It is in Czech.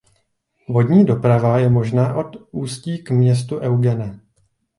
Vodní doprava je možná od ústí k městu Eugene.